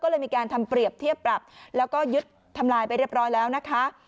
ก็เลยมีการทำเปรียบเทียบปรับแล้วก็ยึดทำลายไปเรียบร้อยแล้วนะคะ